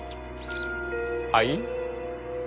はい？